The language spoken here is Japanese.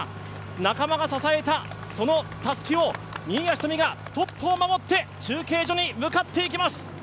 仲間が支えたそのたすきを新谷仁美がトップを守って中継所に向かっていきます。